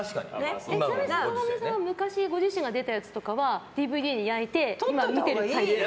ちなみに坂上さんは昔、ご自身が出てたのとかはＤＶＤに焼いて今見てる感じですか？